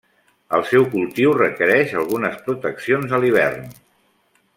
El seu cultiu requereix algunes proteccions a l'hivern.